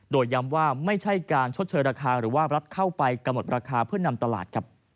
โดยย้ำว่าไม่ใช่การชดเชยราคาหรือว่ารัฐเข้าไปกำหนดราคาเพื่อนำตลาด